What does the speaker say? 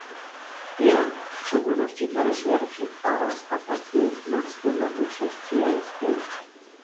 Irak - w szczególności kara śmierci oraz ataki na wspólnoty chrześcijańskie